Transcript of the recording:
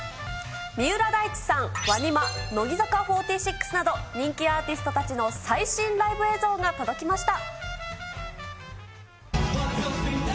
三浦大知さん、ＷＡＮＩＭＡ、乃木坂４６など、人気アーティストたちの最新ライブ映像が届きました。